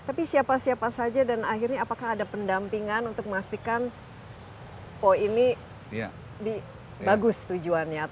tapi siapa siapa saja dan akhirnya apakah ada pendampingan untuk memastikan po ini bagus tujuannya